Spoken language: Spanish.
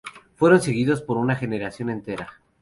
Fueron seguidos por una generación entera.